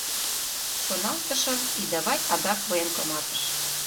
Шоналтышым, и давай адак военкоматыш!